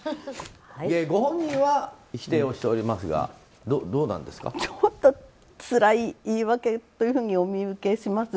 ご本人は否定をしておりますがちょっとつらい言い訳というふうにお見受けします。